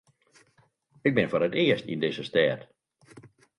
Ik bin foar it earst yn dizze stêd.